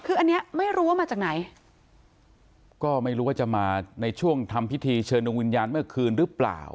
คืออันเนี้ยไม่รู้ว่ามาจากไหนก็ไม่รู้ว่าจะมาในช่วงทำพิธีเชิญดวงวิญญาณเมื่อคืนหรือเปล่า